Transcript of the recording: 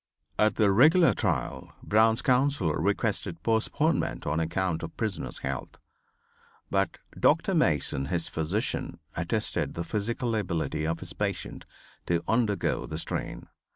At the regular trial Brown's counsel requested a postponement on account of the prisoner's health. But Dr. Mason, his physician, attested the physical ability of his patient to undergo the strain.